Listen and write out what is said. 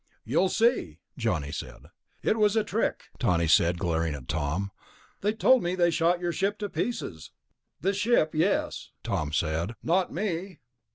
"You'll see," Johnny said. "It was a trick," Tawney said, glaring at Tom. "They told me they shot your ship to pieces...." "The ship, yes," Tom said. "Not me."